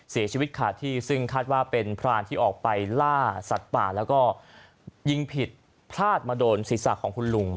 เสียชีวิตขาดที่ซึ่งคาดว่าเป็นพรานที่ออกไปล่าสัตว์ป่าแล้วก็ยิงผิดพลาดมาโดนศีรษะของคุณลุง